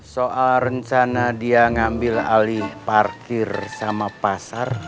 soal rencana dia ngambil alih parkir sama pasar